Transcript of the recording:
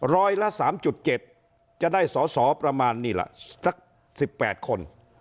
ร้อยละ๓๗จะได้สอสอประมาณ๑๘คน